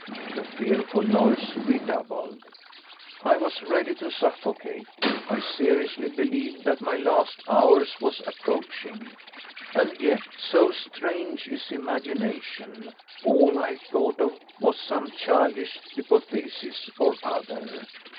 The fearful noise redoubled; I was ready to suffocate. I seriously believed that my last hour was approaching, and yet, so strange is imagination, all I thought of was some childish hypothesis or other.